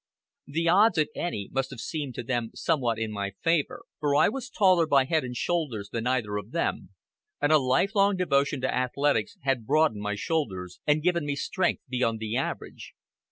The odds, if any, must have seemed to them somewhat in my favor, for I was taller by head and shoulders than either of them, and a life long devotion to athletics had broadened my shoulders, and given me strength beyond the average.